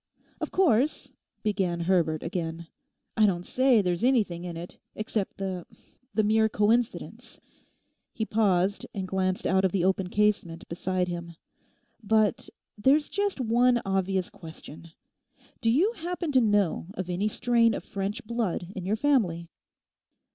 'Of course,' began Herbert again, 'I don't say there's anything in it—except the—the mere coincidence,' he paused and glanced out of the open casement beside him. 'But there's just one obvious question. Do you happen to know of any strain of French blood in your family?